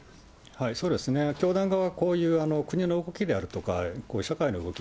そうですね、教団側はこういう国の動きであるとか、社会の動き、